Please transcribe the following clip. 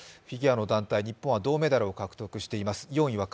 フィギュアの団体、日本は銅メダルを獲得しています。